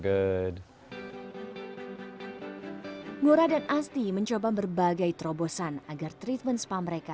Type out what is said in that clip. ngora dan asti mencoba berbagai terobosan agar treatment spa mereka